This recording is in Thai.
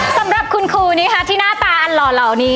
สำหรับคุณครูนี้ค่ะที่หน้าตาอันหล่อเหล่านี้